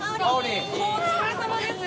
お疲れさまです！